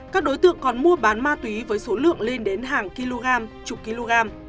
các đối tượng còn mua bán ma túy với số lượng lên đến hàng kg chục kg